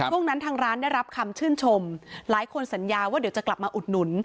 ช่วงนั้นทางร้านได้รับคำชื่นชมหลายคนสัญญาว่าเดี๋ยวจะกลับมาอุดหนุน